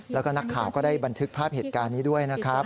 แล้วก็นักข่าวก็ได้บันทึกภาพเหตุการณ์นี้ด้วยนะครับ